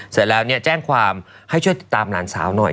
เสร็จแล้วเนี่ยแจ้งความให้ช่วยติดตามหลานสาวหน่อย